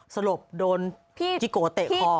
สลบโดนจิโกะเตะคอเข้าขา